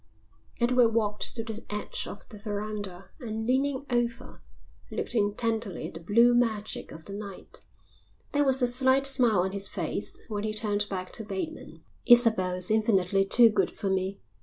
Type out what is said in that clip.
Edward walked to the edge of the verandah and leaning over looked intently at the blue magic of the night. There was a slight smile on his face when he turned back to Bateman. "Isabel is infinitely too good for me.